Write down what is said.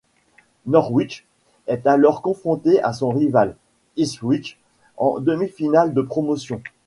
Norwich est alors confronté à son rival, Ipswich, en demi-finale de promotion.